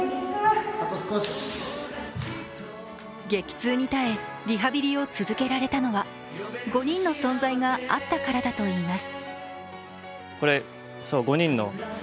激痛に耐えリハビリを続けられたのは５人の存在があったからだといいます。